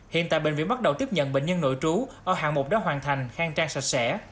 hiện tại bệnh viện bắt đầu tiếp nhận bệnh nhân nội trú ở hạng mục đã hoàn thành khang trang sạch sẽ